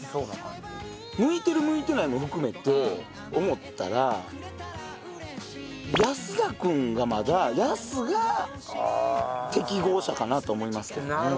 向いてる向いてないも含めて思ったら安田君がまだヤスが適合者かなと思いますけどね。